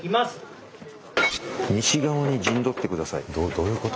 どういうこと？